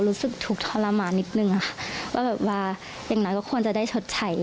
รู้สึกถูกทรมานนิดนึงค่ะว่าแบบว่าอย่างน้อยก็ควรจะได้ชดใช้